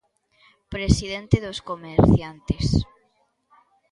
Presidente dos comerciantes.